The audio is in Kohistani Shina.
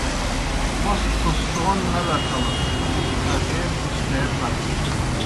موْس پُھسٹون نہ لڇَھمَس تُس اکے پُھسٹے پھت۔